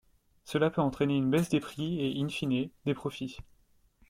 Cela peut entraîner une baisse des prix et in fine, des profits.